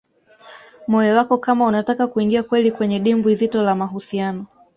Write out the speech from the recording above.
moyo wako kama unataka kuingia kweli kwenye dimbwi zito la mahusiano